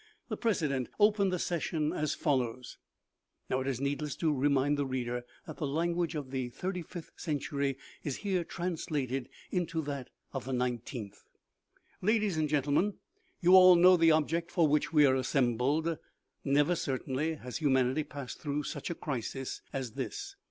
The president opened the session as follows (it is needless to remind the reader that the language of the xxxvth century is here translated into that of the xixth) :" Ladies and gentlemen : You all know the object for which we are assembled. Never, certainly, has hu manity passed through such a crisis as this.